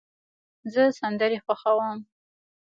زه سندرې خوښوم.